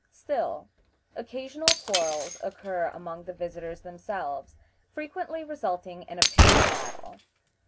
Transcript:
Still, occasional quarrels occur among the visitors themselves, frequently resulting in a pitched battle.